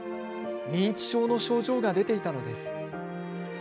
認知症の症状が出ていたのです。